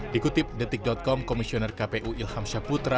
dikutip detik com komisioner kpu ilham syaputra